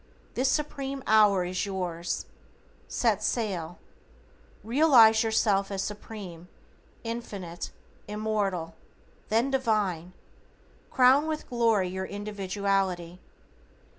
This Supreme hour is yours. Set sail. Realize yourself as Supreme, Infinite, Immortal, then Divine. Crown with glory your individuality.